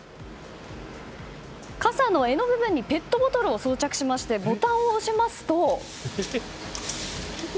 傘の柄の部分にペットボトルを装着しましてボタンを押しますと。